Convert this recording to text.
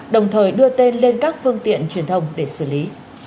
đồng thời đưa tên lên các phương tiện truyền thông để xử lý